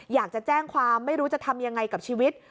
อยากจะแจ้งความไม่รู้จะทำยังไงกับชีวิต